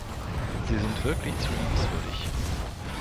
Sie sind wirklich zu liebenswürdig.